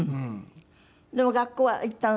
でも学校は行ったの？